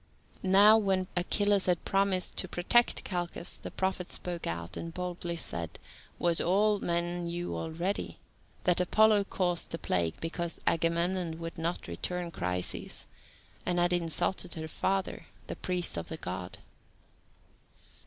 Now when Achilles had promised to protect Calchas, the prophet spoke out, and boldly said, what all men knew already, that Apollo caused the plague because Agamemnon would not return Chryseis, and had insulted her father, the priest of the God.